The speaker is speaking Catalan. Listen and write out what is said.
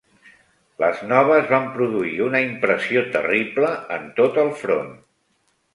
Les noves van produir una impressió terrible en tot el front